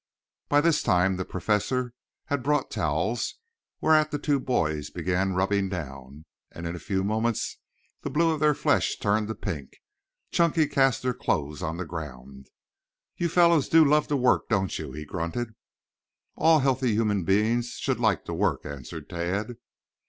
By this time the Professor had brought towels, whereat the two boys began rubbing down, and in a few moments the blue of their flesh turned to pink. Chunky cast their clothes on the ground. "You fellows do love to work, don't you?" he grunted. "All healthy human beings should like to work," answered Tad.